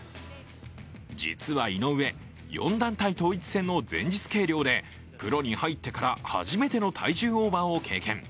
実は井上、４団体統一戦の前日計量でプロに入ってから初めての体重オーバーを経験。